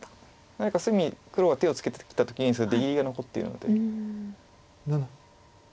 何か隅黒が手をつけてきた時にそれ出切りが残っているので。